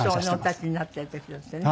お立ちになっている時だってね。